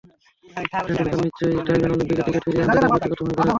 টেন্ডুলকার নিশ্চয়ই চাইবেন অলিম্পিকে ক্রিকেট ফিরিয়ে আনতে তাঁর ব্যক্তিগত ভূমিকা রাখতে।